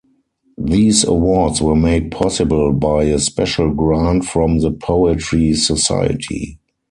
These awards were made possible by a special grant from The Poetry Society.